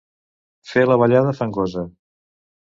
Fer la ballada fangosa.